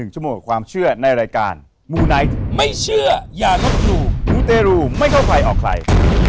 ชั่วโมงกว่าความเชื่อในรายการมูไนท์ไม่เชื่ออย่าลบหลู่มูเตรูไม่เข้าใครออกใคร